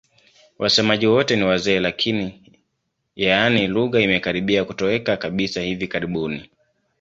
Wasemaji wote ni wazee lakini, yaani lugha imekaribia kutoweka kabisa hivi karibuni.